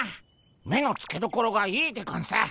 目のつけどころがいいでゴンス。